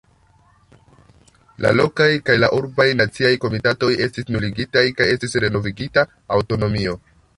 La lokaj kaj la urbaj naciaj komitatoj estis nuligitaj kaj estis renovigita aŭtonomio.